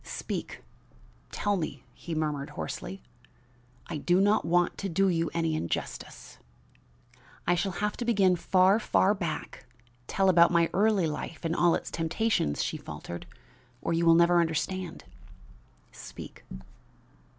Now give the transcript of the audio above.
"Speak! tell me," he murmured hoarsely. "I do not want to do you any injustice." "I shall have to begin far, far back; tell about my early life and all its temptations," she faltered, "or you will never understand." "Speak."